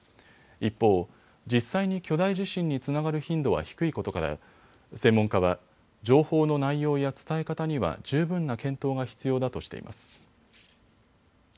一方、実際に巨大地震につながる頻度は低いことから専門家は情報の内容や伝え方には十分な検討が必要だとしています。